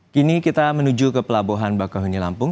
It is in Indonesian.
kini kita menuju ke pelabuhan bakahuni lampung